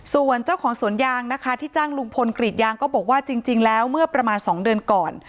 ส่วนเจ้าของสวนยางนะคะที่จ้างลุงพลกรีดยางก็บอกว่าจริงแล้วเมื่อประมาณ๒เดือนก่อน